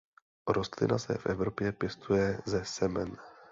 Rostlina se v Evropě pěstuje ze semen.